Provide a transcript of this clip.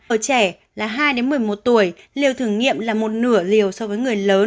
ở trẻ là hai một mươi một tuổi liều thử nghiệm là một nửa liều so với người lớn